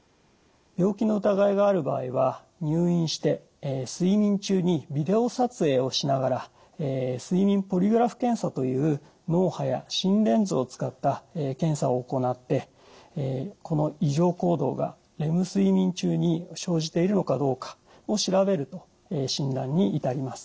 病気の疑いがある場合は入院して睡眠中にビデオ撮影をしながら睡眠ポリグラフ検査という脳波や心電図を使った検査を行ってこの異常行動がレム睡眠中に生じているのかどうかを調べると診断に至ります。